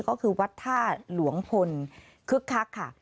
ก็คือวัดท่าหลวงพลคึกคักค่ะ